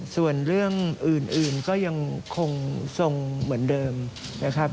ส่วนเรื่องอื่นก็ยังคงทรงเหมือนเดิมนะครับ